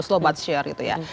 slow but sure gitu ya